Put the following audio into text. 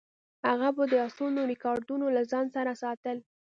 هغه به د اسونو ریکارډونه له ځان سره ساتل.